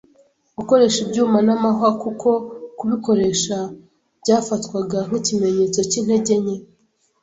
gukoresha ibyuma n'amahwa kuko kubikoresha byafatwaga nk'ikimenyetso cy'intege nke.